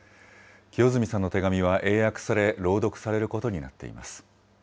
清積さんの手紙は英訳され、朗読されることになっています。